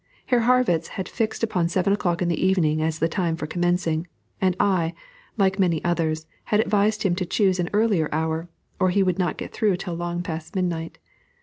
Herr Harrwitz had fixed upon seven o'clock in the evening as the time for commencing; and I, like many others, had advised him to choose an earlier hour, or he would not get through till long past midnight.